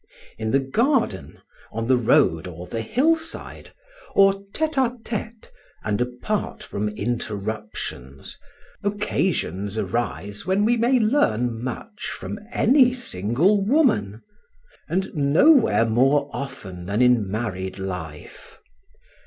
In the garden, on the road or the hillside, or tête à tête and apart from interruptions, occasions arise when we may learn much from any single woman; and nowhere more often than in, married life.